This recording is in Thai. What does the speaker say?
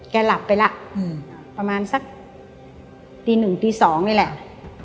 แกหลับไปละประมาณสักตีหนึ่งตีสองนี่แหละ